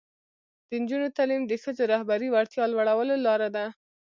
د نجونو تعلیم د ښځو رهبري وړتیا لوړولو لاره ده.